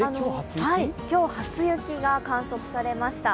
今日、初雪が観測されました。